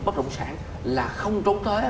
bất động sản là không trốn tới